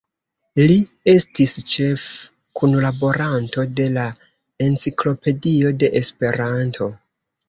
Li estis ĉefkunlaboranto de la Enciklopedio de Esperanto.